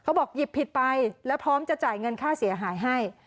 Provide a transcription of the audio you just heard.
บอกหยิบผิดไปแล้วพร้อมจะจ่ายเงินค่าเสียหายให้